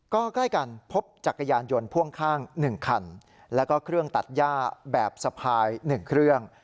ก็ใกล้กันพบจักรยานยนต์พ่วงข้าง๑คันแล้วก็เครื่องตัดย่าแบบสะพาย๑เครื่อง